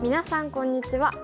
こんにちは。